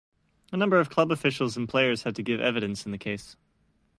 A number of club officials and players had to give evidence in the case.